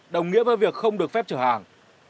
đồng nghĩa với việc không được phép chở hàng